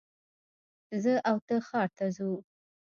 زه او ته ښار ته ځو